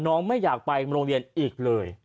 น้องไม่อยากไปโรงงานอีกเลย